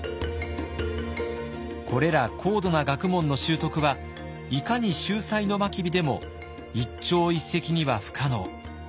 これら高度な学問の習得はいかに秀才の真備でも一朝一夕には不可能。